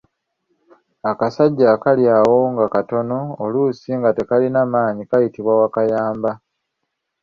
Akasajja akali awo nga katono oluusi nga tekalina maanyi kayitibwa Wakayamba.